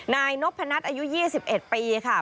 นายนพนัทอายุ๒๑ปีค่ะ